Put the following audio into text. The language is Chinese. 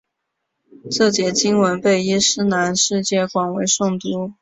这节经文被伊斯兰世界广为诵读。